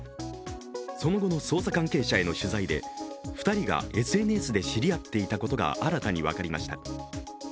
その後の捜査関係者への取材で２人がＳＮＳで知り合っていたことが新たに分かりました。